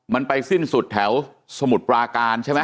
มันไปสิ้นสุดแถวสมุทรปราการใช่ไหม